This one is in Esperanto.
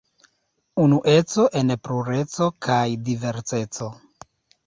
Unueco en plureco kaj diverseco.